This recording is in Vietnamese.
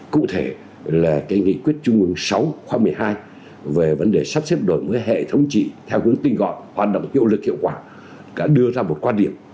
cụ thể là cái nghị quyết chung ứng sáu khoa một mươi hai về vấn đề sắp xếp đổi mới hệ thống trị theo hướng tinh gọi hoạt động hiệu lực hiệu quả đã đưa ra một quan điểm